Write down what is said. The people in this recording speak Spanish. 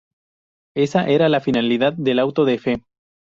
Esa era la finalidad del auto de fe.